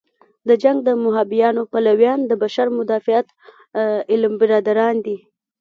د جنګ د مهابیانیو پلویان د بشر مدافعت علمبرداران دي.